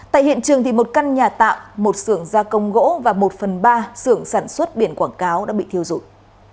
tại hiện trường một căn nhà tạm một xưởng gia công gỗ và một phần ba xưởng sản xuất biển quảng cáo đã bị thiêu dụi